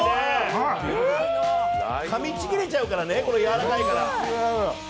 かみちぎれちゃうからね、やわらかいから。